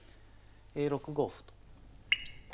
６五歩と。